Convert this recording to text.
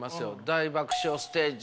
「大爆笑ステージ！